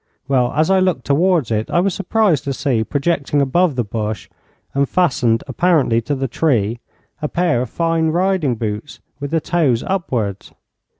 Well, as I looked towards it, I was surprised to see projecting above the bush, and fastened apparently to the tree, a pair of fine riding boots with the toes upwards.